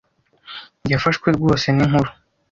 Yafashwe rwose ninkuru.